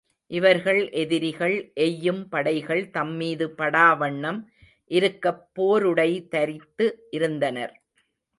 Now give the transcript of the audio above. இவர்கள் எதிரிகள் எய்யும் படைகள் தம்மீது படா வண்ணம் இருக்கப் போருடைதரித்து இருந்தனர்.